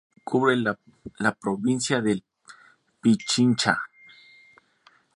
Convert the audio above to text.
El canal cubre la provincia de Pichincha.